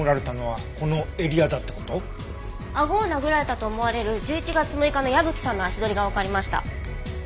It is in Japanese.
顎を殴られたと思われる１１月６日の矢吹さんの足取りがわかりました。